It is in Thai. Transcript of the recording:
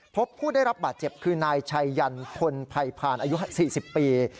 พบผู้ได้รับบาดเจ็บคือนายชัยยันพลภัยพานอายุ๔๐ปี